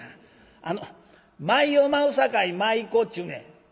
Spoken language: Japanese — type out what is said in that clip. あの舞を舞うさかい舞妓っちゅうねん」。